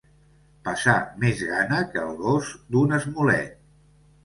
Passar més gana que el gos d'un esmolet.